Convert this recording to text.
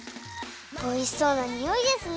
おいしそうなにおいですね！